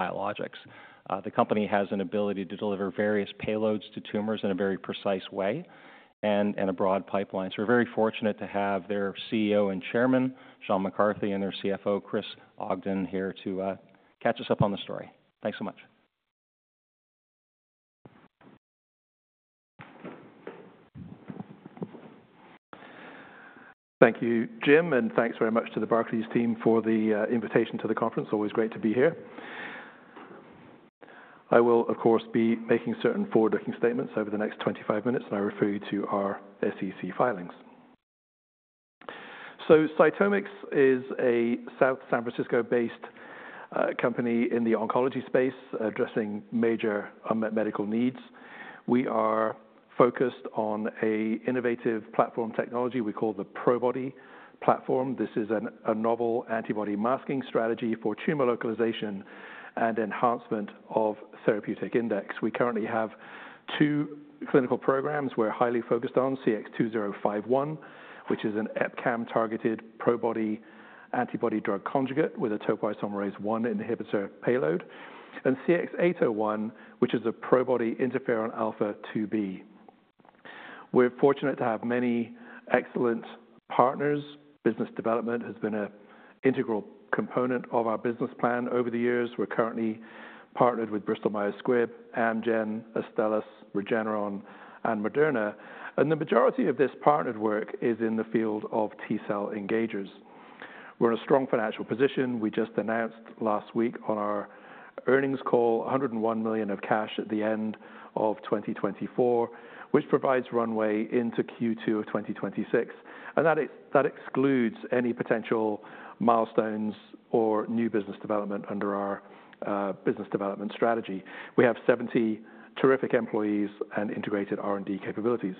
Biologics. The company has an ability to deliver various payloads to tumors in a very precise way and in a broad pipeline. We are very fortunate to have their CEO and Chairman, Sean McCarthy, and their CFO, Chris Ogden, here to catch us up on the story. Thanks so much. Thank you, Jim, and thanks very much to the Barclays team for the invitation to the conference. Always great to be here. I will, of course, be making certain forward-looking statements over the next 25 minutes, and I refer you to our SEC filings. CytomX is a South San Francisco-based company in the oncology space, addressing major unmet medical needs. We are focused on an innovative platform technology we call the Probody platform. This is a novel antibody masking strategy for tumor localization and enhancement of therapeutic index. We currently have two clinical programs we're highly focused on: CX-2051, which is an EpCAM-targeted Probody antibody drug conjugate with a topoisomerase-1 inhibitor payload, and CX-801, which is a Probody interferon alfa-2b. We're fortunate to have many excellent partners. Business development has been an integral component of our business plan over the years. We're currently partnered with Bristol Myers Squibb, Amgen, Astellas, Regeneron, and Moderna. The majority of this partnered work is in the field of T-cell engagers. We're in a strong financial position. We just announced last week on our earnings call, $101 million of cash at the end of 2024, which provides runway into Q2 of 2026. That excludes any potential milestones or new business development under our business development strategy. We have 70 terrific employees and integrated R&D capabilities.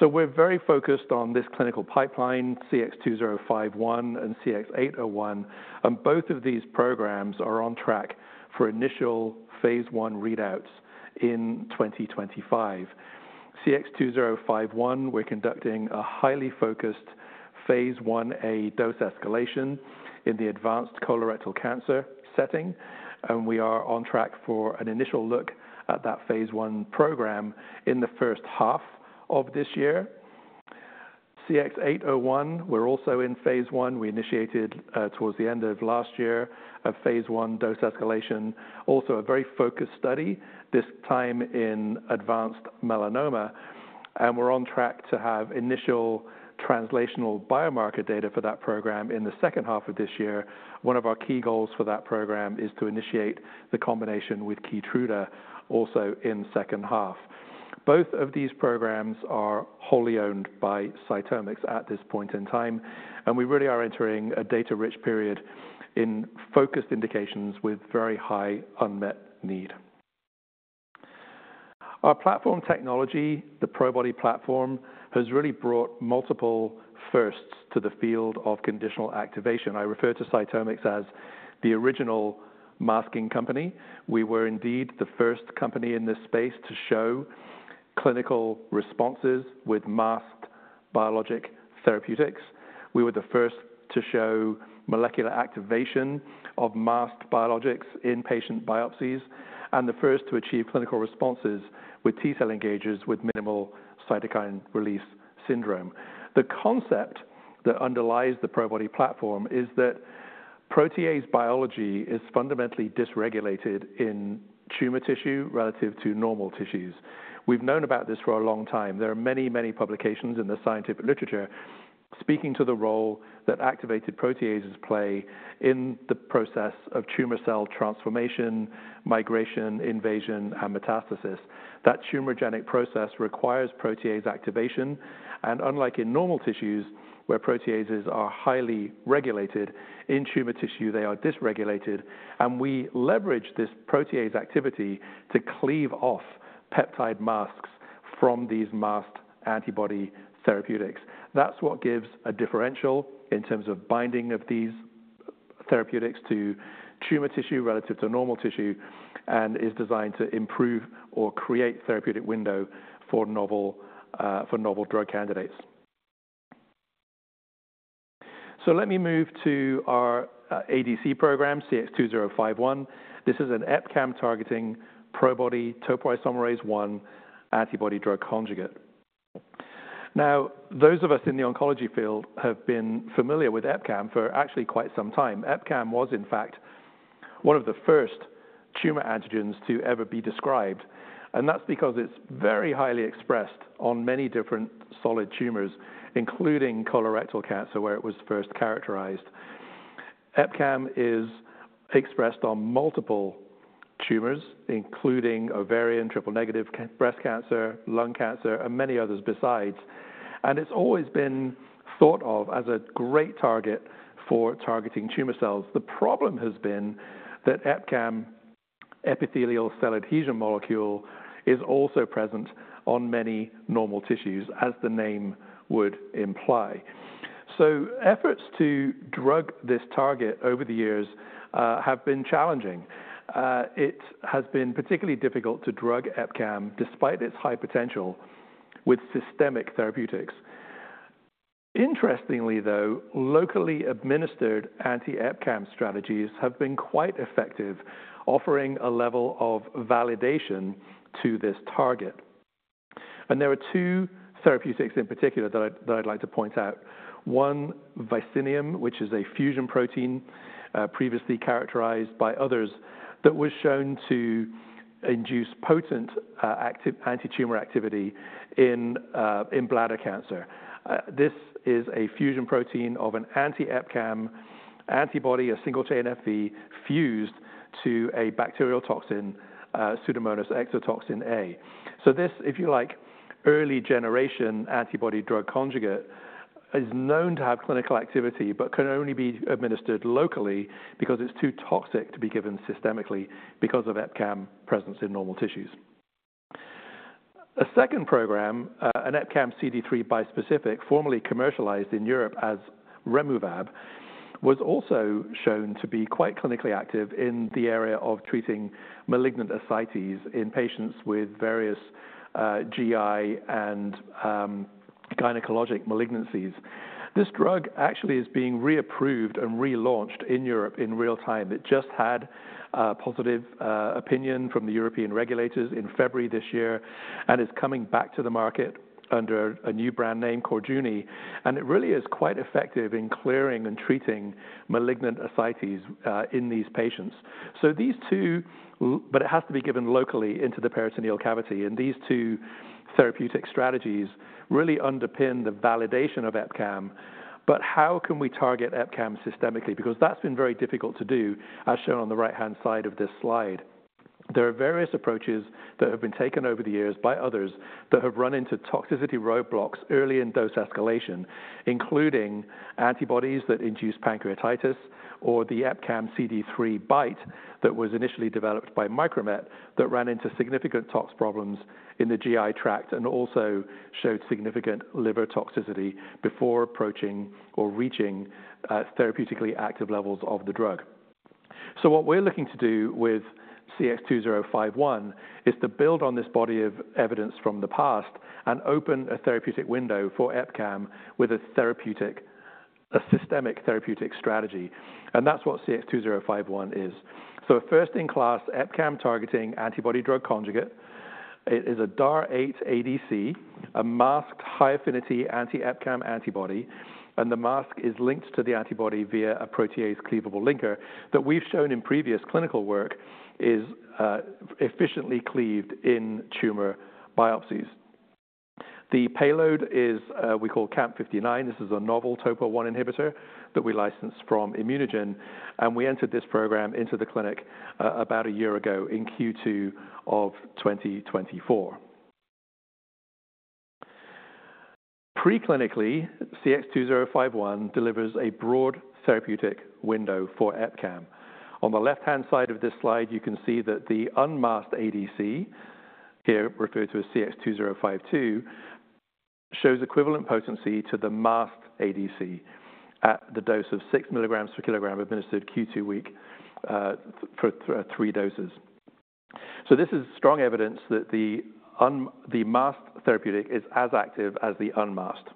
We're very focused on this clinical pipeline, CX-2051 and CX-801. Both of these programs are on track for initial phase I readouts in 2025. CX-2051, we're conducting a highly phase I-A dose escalation in the advanced colorectal cancer setting. We are on track for an initial look at that phase I program in the first half of this year. CX-801, we're also in phase I. We initiated, towards the end of last year, a phase I dose escalation, also a very focused study, this time in advanced melanoma. We are on track to have initial translational biomarker data for that program in the second half of this year. One of our key goals for that program is to initiate the combination with Keytruda also in the second half. Both of these programs are wholly owned by CytomX at this point in time. We really are entering a data-rich period in focused indications with very high unmet need. Our platform technology, the Probody platform, has really brought multiple firsts to the field of conditional activation. I refer to CytomX as the original masking company. We were indeed the first company in this space to show clinical responses with masked biologic therapeutics. We were the first to show molecular activation of masked biologics in patient biopsies and the first to achieve clinical responses with T-cell engagers with minimal cytokine release syndrome. The concept that underlies the Probody platform is that protease biology is fundamentally dysregulated in tumor tissue relative to normal tissues. We've known about this for a long time. There are many, many publications in the scientific literature speaking to the role that activated proteases play in the process of tumor cell transformation, migration, invasion, and metastasis. That tumor-genic process requires protease activation. Unlike in normal tissues, where proteases are highly regulated, in tumor tissue, they are dysregulated. We leverage this protease activity to cleave off peptide masks from these masked antibody therapeutics. That's what gives a differential in terms of binding of these therapeutics to tumor tissue relative to normal tissue and is designed to improve or create a therapeutic window for novel, for novel drug candidates. Let me move to our ADC program, CX-2051. This is an EpCAM-targeting Probody topoisomerase 1 antibody drug conjugate. Now, those of us in the oncology field have been familiar with EpCAM for actually quite some time. EpCAM was, in fact, one of the first tumor antigens to ever be described. That's because it's very highly expressed on many different solid tumors, including colorectal cancer, where it was first characterized. EpCAM is expressed on multiple tumors, including ovarian, triple-negative breast cancer, lung cancer, and many others besides. It's always been thought of as a great target for targeting tumor cells. The problem has been that EpCAM, epithelial cell adhesion molecule, is also present on many normal tissues, as the name would imply. Efforts to drug this target over the years have been challenging. It has been particularly difficult to drug EpCAM, despite its high potential, with systemic therapeutics. Interestingly, though, locally administered anti-EpCAM strategies have been quite effective, offering a level of validation to this target. There are two therapeutics in particular that I'd like to point out. One, Vicinium, which is a fusion protein, previously characterized by others, that was shown to induce potent, active anti-tumor activity in bladder cancer. This is a fusion protein of an anti-EpCAM antibody, a single-chain Fv, fused to a bacterial toxin, Pseudomonas exotoxin A. This, if you like, early-generation antibody drug conjugate is known to have clinical activity but can only be administered locally because it's too toxic to be given systemically because of EpCAM presence in normal tissues. A second program, an EpCAM-CD3 bispecific, formerly commercialized in Europe as Removab, was also shown to be quite clinically active in the area of treating malignant ascites in patients with various GI and gynecologic malignancies. This drug actually is being reapproved and relaunched in Europe in real time. It just had a positive opinion from the European regulators in February this year and is coming back to the market under a new brand name, Korjuny. It really is quite effective in clearing and treating malignant ascites in these patients. These two, but it has to be given locally into the peritoneal cavity. These two therapeutic strategies really underpin the validation of EpCAM. How can we target EpCAM systemically? Because that's been very difficult to do, as shown on the right-hand side of this slide. There are various approaches that have been taken over the years by others that have run into toxicity roadblocks early in dose escalation, including antibodies that induce pancreatitis or the EpCAM-CD3 BiTE that was initially developed by Micromet that ran into significant tox problems in the GI tract and also showed significant liver toxicity before approaching or reaching therapeutically active levels of the drug. What we're looking to do with CX-2051 is to build on this body of evidence from the past and open a therapeutic window for EpCAM with a systemic therapeutic strategy. That's what CX-2051 is. A first-in-class EpCAM-targeting antibody drug conjugate. It is a DAR8 ADC, a masked high-affinity anti-EpCAM antibody. The mask is linked to the antibody via a protease cleavable linker that we've shown in previous clinical work is efficiently cleaved in tumor biopsies. The payload is, we call CAMP59. This is a novel topo-1 inhibitor that we licensed from ImmunoGen. We entered this program into the clinic about a year ago in Q2 of 2024. Preclinically, CX-2051 delivers a broad therapeutic window for EpCAM. On the left-hand side of this slide, you can see that the unmasked ADC, here referred to as CX-2052, shows equivalent potency to the masked ADC at the dose of 6 milligrams per kilogram administered Q2 week, for three doses. This is strong evidence that the masked therapeutic is as active as the unmasked.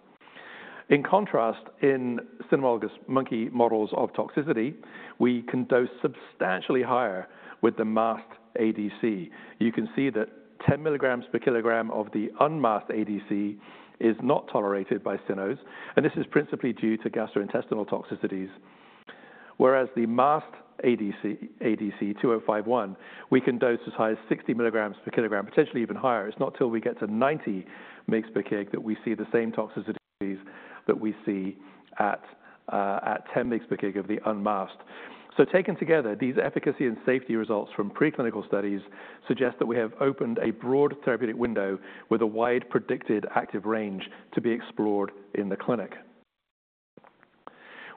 In contrast, in cynomolgus monkey models of toxicity, we can dose substantially higher with the masked ADC. You can see that 10 milligrams per kilogram of the unmasked ADC is not tolerated by cynos, and this is principally due to gastrointestinal toxicities. Whereas the masked ADC, CX-2051, we can dose as high as 60 mg per kilogram, potentially even higher. It's not until we get to 90 mg per kilogram that we see the same toxicities that we see at 10 mg per kilogram of the unmasked. Taken together, these efficacy and safety results from preclinical studies suggest that we have opened a broad therapeutic window with a wide predicted active range to be explored in the clinic.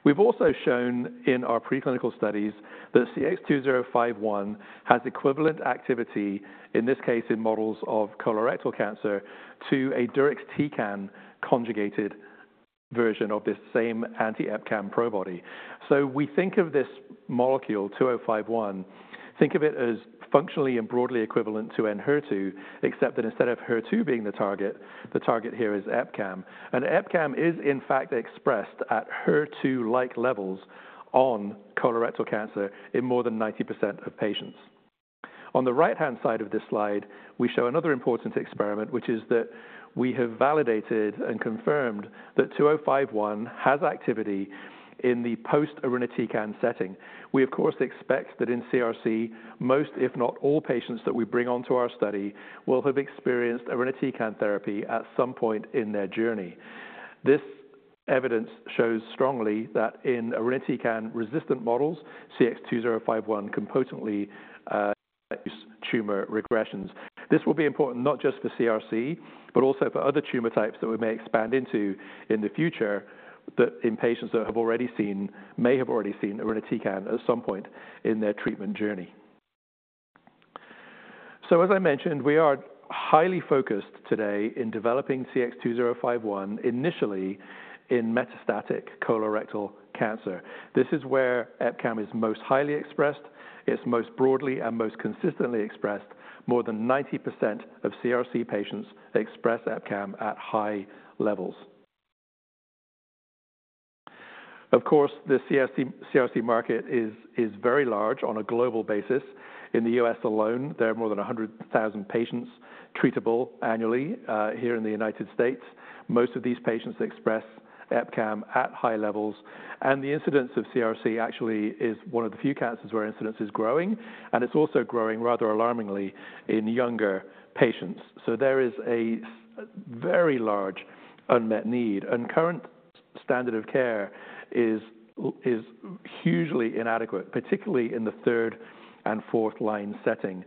We've also shown in our preclinical studies that CX-2051 has equivalent activity, in this case in models of colorectal cancer, to a duocarmycin conjugated version of this same anti-EpCAM Probody. We think of this molecule, 2051, think of it as functionally and broadly equivalent to anti-HER2, except that instead of HER2 being the target, the target here is EpCAM. EpCAM is, in fact, expressed at HER2-like levels on colorectal cancer in more than 90% of patients. On the right-hand side of this slide, we show another important experiment, which is that we have validated and confirmed that 2051 has activity in the post-irinotecan setting. We, of course, expect that in CRC, most, if not all, patients that we bring onto our study will have experienced irinotecan therapy at some point in their journey. This evidence shows strongly that in irinotecan-resistant models, CX-2051 can potently induce tumor regressions. This will be important not just for CRC, but also for other tumor types that we may expand into in the future that in patients that have already seen, may have already seen irinotecan at some point in their treatment journey. As I mentioned, we are highly focused today in developing CX-2051 initially in metastatic colorectal cancer. This is where EpCAM is most highly expressed. It's most broadly and most consistently expressed. More than 90% of CRC patients express EpCAM at high levels. Of course, the CRC market is very large on a global basis. In the US alone, there are more than 100,000 patients treatable annually, here in the United States. Most of these patients express EpCAM at high levels. The incidence of CRC actually is one of the few cancers where incidence is growing. It is also growing rather alarmingly in younger patients. There is a very large unmet need. Current standard of care is hugely inadequate, particularly in the third and fourth line setting.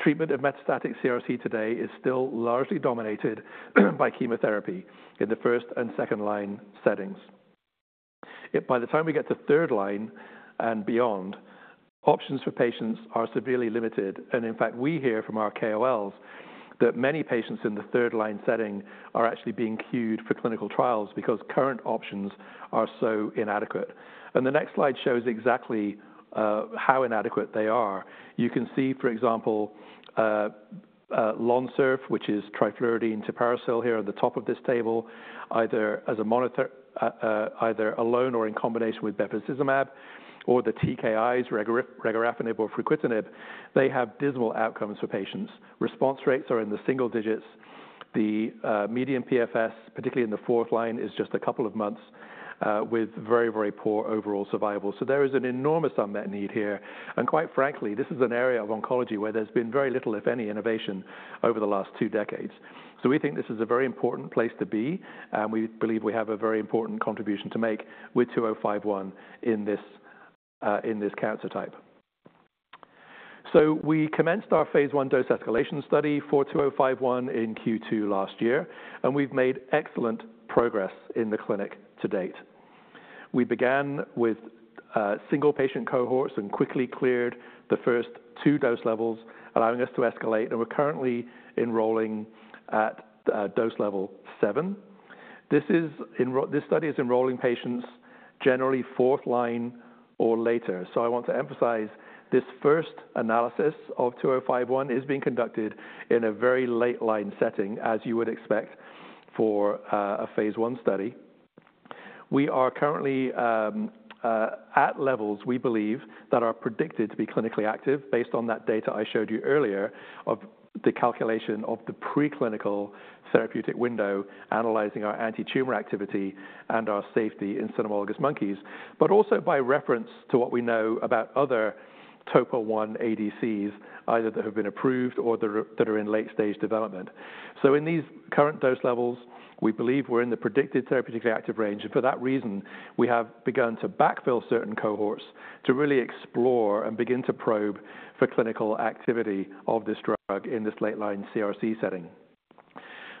Treatment of metastatic CRC today is still largely dominated by chemotherapy in the first and second line settings. By the time we get to third line and beyond, options for patients are severely limited. In fact, we hear from our KOLs that many patients in the third line setting are actually being queued for clinical trials because current options are so inadequate. The next slide shows exactly how inadequate they are. You can see, for example, Lonsurf, which is trifluridine tipiracil here at the top of this table, either as a monother, either alone or in combination with bevacizumab or the TKIs, regorafenib or fruquintinib, they have dismal outcomes for patients. Response rates are in the single digits. The median PFS, particularly in the fourth line, is just a couple of months, with very, very poor overall survival. There is an enormous unmet need here. Quite frankly, this is an area of oncology where there has been very little, if any, innovation over the last two decades. We think this is a very important place to be. We believe we have a very important contribution to make with 2051 in this cancer type. We commenced our phase I dose escalation study for 2051 in Q2 last year. We have made excellent progress in the clinic to date. We began with single patient cohorts and quickly cleared the first two dose levels, allowing us to escalate. We are currently enrolling at dose level seven. This study is enrolling patients generally fourth line or later. I want to emphasize this first analysis of 2051 is being conducted in a very late line setting, as you would expect for a phase I study. We are currently at levels we believe are predicted to be clinically active based on that data I showed you earlier of the calculation of the preclinical therapeutic window, analyzing our anti-tumor activity and our safety in cynomolgus monkeys, but also by reference to what we know about other topo-1 ADCs, either that have been approved or that are in late-stage development. In these current dose levels, we believe we're in the predicted therapeutically active range. For that reason, we have begun to backfill certain cohorts to really explore and begin to probe for clinical activity of this drug in this late line CRC setting.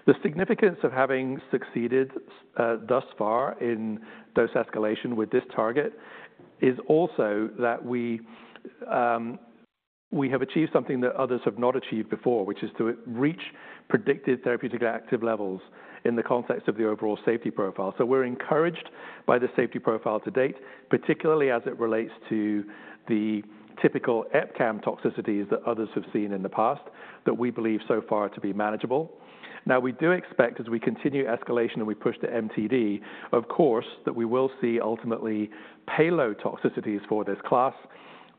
The significance of having succeeded thus far in dose escalation with this target is also that we have achieved something that others have not achieved before, which is to reach predicted therapeutically active levels in the context of the overall safety profile. We are encouraged by the safety profile to date, particularly as it relates to the typical EpCAM toxicities that others have seen in the past that we believe so far to be manageable. We do expect, as we continue escalation and we push the MTD, of course, that we will see ultimately payload toxicities for this class.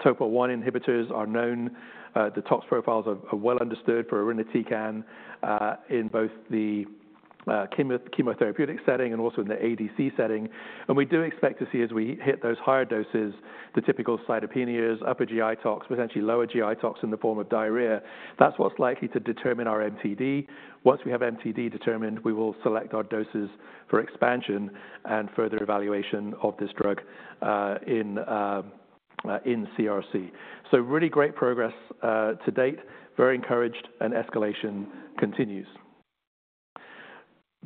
Topo-1 inhibitors are known, the tox profiles are well understood for irinotecan, in both the chemotherapeutic setting and also in the ADC setting. We do expect to see, as we hit those higher doses, the typical cytopenias, upper GI tox, potentially lower GI tox in the form of diarrhea. That is what is likely to determine our MTD. Once we have MTD determined, we will select our doses for expansion and further evaluation of this drug, in CRC. Really great progress to date. Very encouraged and escalation continues.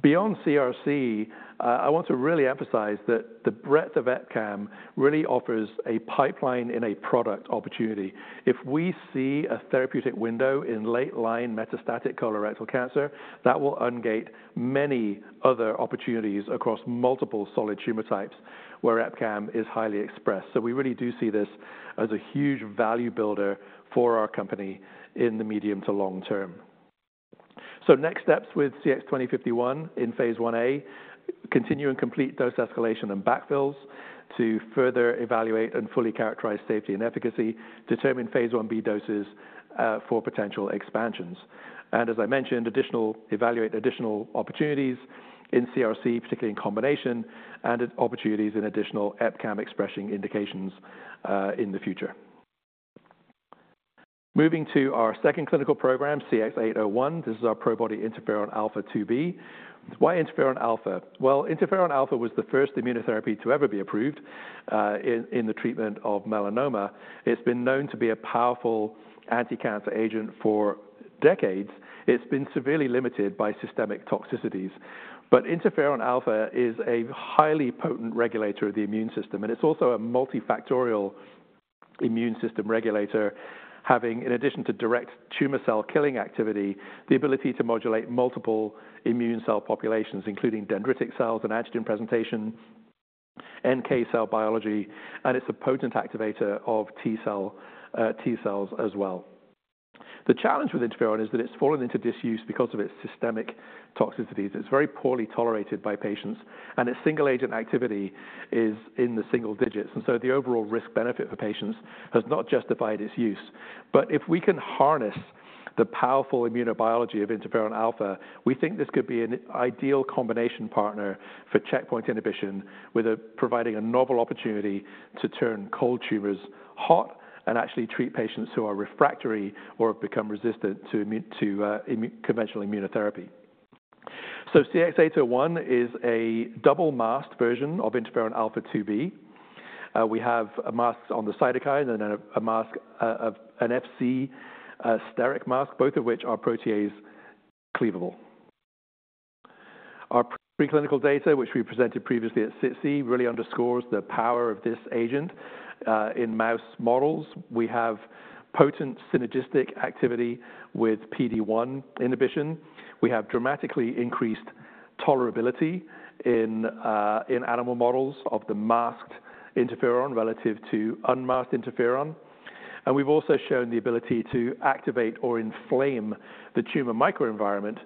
Beyond CRC, I want to really emphasize that the breadth of EpCAM really offers a pipeline in a product opportunity. If we see a therapeutic window in late line metastatic colorectal cancer, that will ungate many other opportunities across multiple solid tumor types where EpCAM is highly expressed. We really do see this as a huge value builder for our company in the medium to long term. Next steps with CX-2051 in phase I-A, continue and complete dose escalation and backfills to further evaluate and fully characterize safety and efficacy, determine phase I B doses for potential expansions. As I mentioned, evaluate additional opportunities in CRC, particularly in combination, and opportunities in additional EpCAM expressing indications in the future. Moving to our second clinical program, CX-801, this is our Probody interferon alfa-2b. Why interferon alpha? Interferon alpha was the first immunotherapy to ever be approved in the treatment of melanoma. It's been known to be a powerful anti-cancer agent for decades. It's been severely limited by systemic toxicities. Interferon alpha is a highly potent regulator of the immune system. It is also a multifactorial immune system regulator, having, in addition to direct tumor cell killing activity, the ability to modulate multiple immune cell populations, including dendritic cells and antigen presentation, NK cell biology. It is a potent activator of T-cell, T-cells as well. The challenge with interferon is that it has fallen into disuse because of its systemic toxicities. It is very poorly tolerated by patients. Its single agent activity is in the single digits. The overall risk-benefit for patients has not justified its use. If we can harness the powerful immunobiology of interferon alpha, we think this could be an ideal combination partner for checkpoint inhibition with a providing a novel opportunity to turn cold tumors hot and actually treat patients who are refractory or have become resistant to immune conventional immunotherapy. CX-801 is a double masked version of interferon alfa-2b. We have masks on the cytokine and then a mask, of an FC, steric mask, both of which are protease cleavable. Our preclinical data, which we presented previously at CRC, really underscores the power of this agent, in mouse models. We have potent synergistic activity with PD-1 inhibition. We have dramatically increased tolerability in animal models of the masked interferon relative to unmasked interferon. We have also shown the ability to activate or inflame the tumor microenvironment,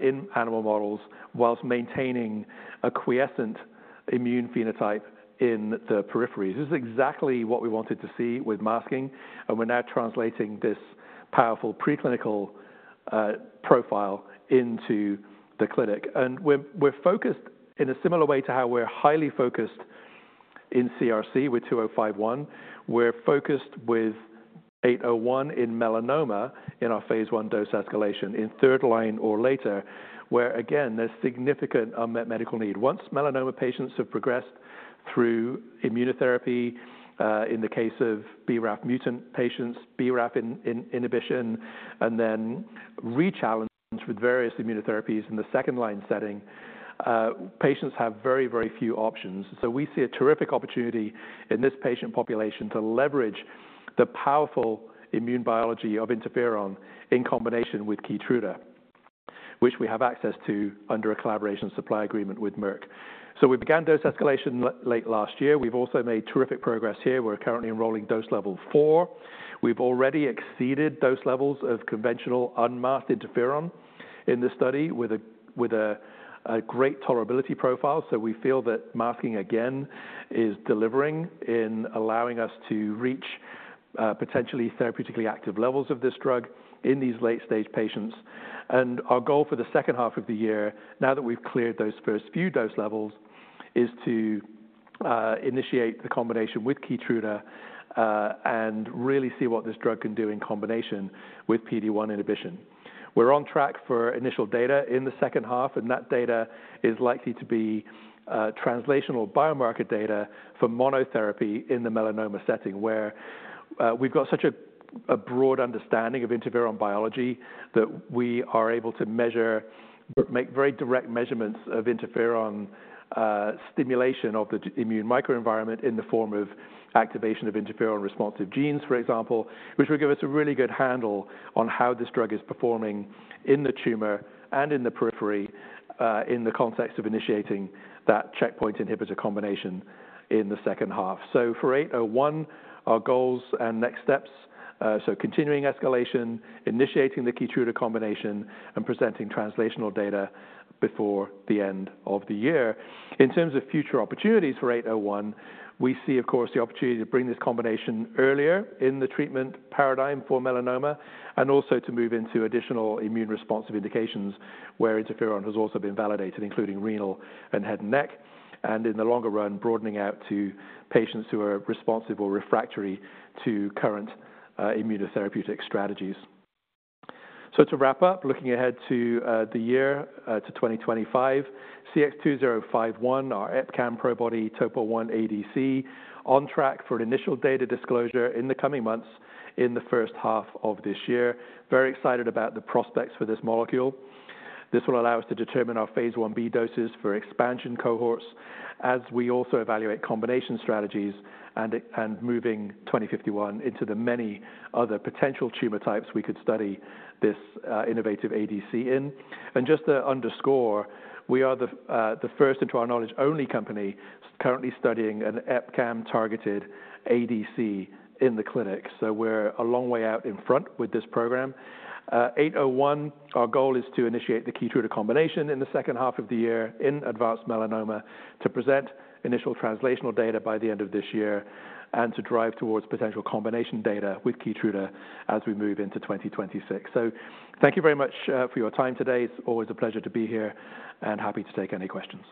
in animal models whilst maintaining a quiescent immune phenotype in the peripheries. This is exactly what we wanted to see with masking. We are now translating this powerful preclinical profile into the clinic. We are focused in a similar way to how we are highly focused in CRC with 2051. We're focused with 801 in melanoma in our phase I dose escalation in third line or later where, again, there's significant unmet medical need. Once melanoma patients have progressed through immunotherapy, in the case of BRAF mutant patients, BRAF inhibition, and then re-challenged with various immunotherapies in the second line setting, patients have very, very few options. We see a terrific opportunity in this patient population to leverage the powerful immune biology of interferon in combination with Keytruda, which we have access to under a collaboration supply agreement with Merck. We began dose escalation late last year. We've also made terrific progress here. We're currently enrolling dose level four. We've already exceeded dose levels of conventional unmasked interferon in this study with a great tolerability profile. We feel that masking again is delivering in allowing us to reach, potentially therapeutically active levels of this drug in these late-stage patients. Our goal for the second half of the year, now that we've cleared those first few dose levels, is to initiate the combination with Keytruda, and really see what this drug can do in combination with PD-1 inhibition. We're on track for initial data in the second half. That data is likely to be translational biomarker data for monotherapy in the melanoma setting where we've got such a broad understanding of interferon biology that we are able to make very direct measurements of interferon stimulation of the immune microenvironment in the form of activation of interferon responsive genes, for example, which will give us a really good handle on how this drug is performing in the tumor and in the periphery, in the context of initiating that checkpoint inhibitor combination in the second half. For 801, our goals and next steps are continuing escalation, initiating the Keytruda combination, and presenting translational data before the end of the year. In terms of future opportunities for 801, we see, of course, the opportunity to bring this combination earlier in the treatment paradigm for melanoma and also to move into additional immune responsive indications where interferon has also been validated, including renal and head and neck. In the longer run, broadening out to patients who are responsive or refractory to current immunotherapeutic strategies. To wrap up, looking ahead to the year, to 2025, CX-2051, our EpCAM Probody topo-1 ADC, on track for initial data disclosure in the coming months in the first half of this year. Very excited about the prospects for this molecule. This will allow us to determine our phase I-B doses for expansion cohorts as we also evaluate combination strategies and moving 2051 into the many other potential tumor types we could study this innovative ADC in. Just to underscore, we are the first and to our knowledge only company currently studying an EpCAM-targeted ADC in the clinic. We are a long way out in front with this program. 801, our goal is to initiate the Keytruda combination in the second half of the year in advanced melanoma, to present initial translational data by the end of this year, and to drive towards potential combination data with Keytruda as we move into 2026. Thank you very much for your time today. It's always a pleasure to be here and happy to take any questions.